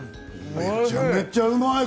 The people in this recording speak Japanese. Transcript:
めちゃめちゃうまい！